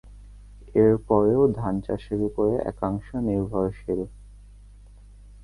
এরপরেও ধান চাষের ওপরে একাংশ নির্ভরশীল।